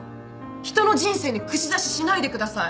人の人生に口出ししないでください。